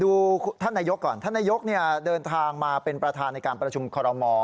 อ่ะท่านเยาะก่อนท่านนัยยกเนี่ยเดินทางมาเป็นประธานในการประชุมครม